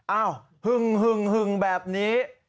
อ้าวหึงแบบนี้